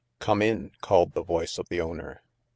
" Come in," called the voice of the owner.